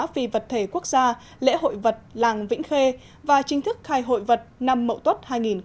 vì vật thể quốc gia lễ hội vật làng vĩnh khê và chính thức khai hội vật năm mậu tuất hai nghìn hai mươi